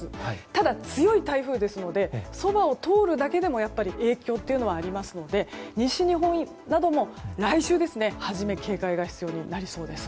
ただ、強い台風ですのでそばを通るだけでもやっぱり影響はありますので西日本などでも来週のはじめ警戒が必要です。